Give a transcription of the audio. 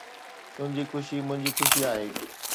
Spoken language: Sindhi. تنهنجي خوشي منهنجي خوشي آهي